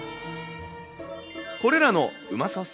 これらの、うまそっ